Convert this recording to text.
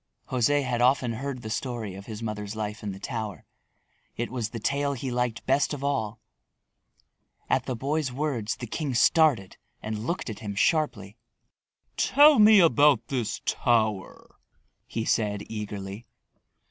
José had often heard the story of his mother's life in the tower. It was the tale he liked best of all. At the boy's words the king started and looked at him sharply. "Tell me about this tower," he said eagerly.